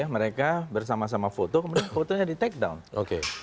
mereka bersama sama foto kemudian fotonya di take down